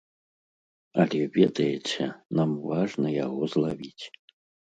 Але ведаеце, нам важна яго злавіць.